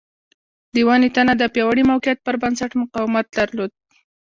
د ونې تنه د پیاوړي موقعیت پر بنسټ مقاومت درلود.